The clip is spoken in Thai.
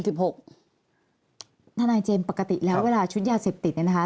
ทนายเจมส์ปกติแล้วเวลาชุดยาเสพติดเนี่ยนะคะ